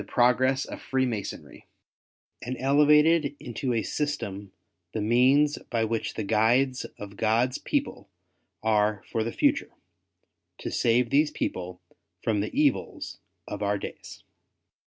progress of Freemasonry, and elevated into a system the means by which the guides of God's people are for the future, to save these people from the evils of our days.